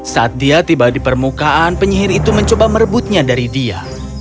saat dia tiba di permukaan penyihir itu mencoba merebutnya dari dia